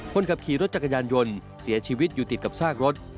คนขับขี่รถจักรยานยนต์เสียชีวิตอยู่ติดกับซากรถ